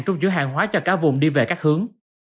trung chuyển hàng hóa cho cả vùng đi về các hướng